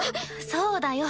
そうだよ